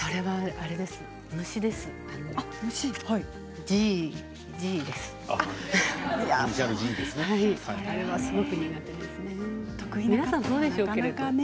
あれは、すごく苦手ですね。